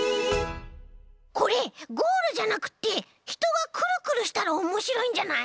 これゴールじゃなくってひとがクルクルしたらおもしろいんじゃない？